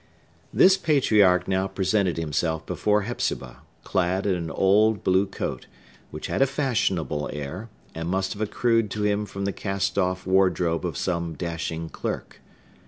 This patriarch now presented himself before Hepzibah, clad in an old blue coat, which had a fashionable air, and must have accrued to him from the cast off wardrobe of some dashing clerk.